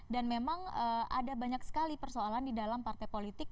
dan memang ada banyak sekali persoalan di dalam partai politik